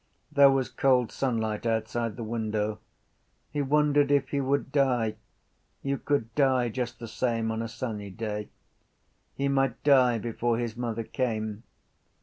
There was cold sunlight outside the window. He wondered if he would die. You could die just the same on a sunny day. He might die before his mother came.